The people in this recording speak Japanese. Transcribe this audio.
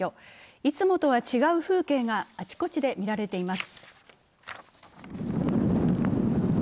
いつもとは違う風景が、あちこちで見られています。